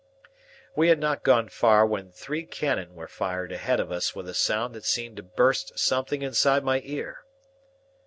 We had not gone far when three cannon were fired ahead of us with a sound that seemed to burst something inside my ear.